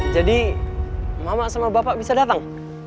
jadi mama sama bapak bisa datang